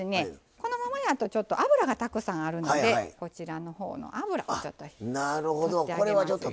このままやとちょっと油がたくさんあるのでこちらのほうの油ちょっと取ってあげますよ。